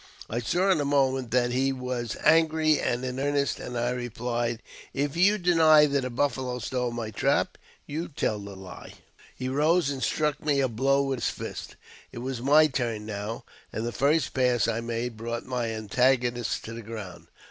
I saw in a moment that he was angry and m earnest, and I replied, " If you deny that a buffalo stole my trap, you tell the lie." JAMES P. BECKWOUBTH. 131 He rose and struck me a blow with his fist. It was my turn now, and the first pass I made brought my antagonist to the ground.